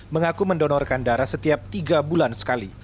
mengaku mendonorkan darah setiap tiga bulan sekali